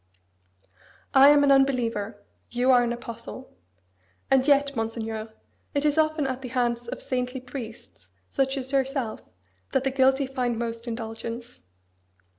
I am an unbeliever: you are an apostle! And yet, Monseigneur, it is often at the hands of saintly priests, such as yourself, that the guilty find most indulgence.